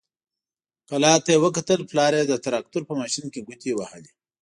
کلا ته يې وکتل، پلار يې د تراکتور په ماشين کې ګوتې وهلې.